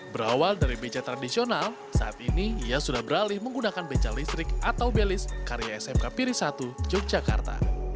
berawal dari beca tradisional saat ini ia sudah beralih menggunakan beca listrik atau belis karya smk piri satu yogyakarta